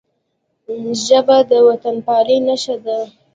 ژبه د وطنپالنې نښه ده